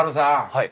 はい。